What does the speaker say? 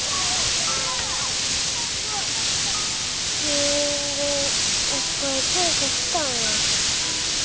病院でいっぱい検査したんや。